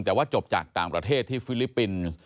แต่ว่าจบจากต่างประเทศที่ฟิลิปปินส์